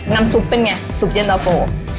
น้ำซุปเป็นไงซุปเย็นตะโฟ